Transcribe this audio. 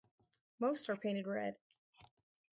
Most are painted red.